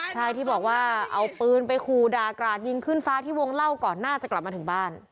ใช่ที่บอกว่าเอาปืนไปขู่ด่ากราดยิงขึ้นฟ้าที่วงเล่าก่อนหน้าจะกลับมาถึงบ้าน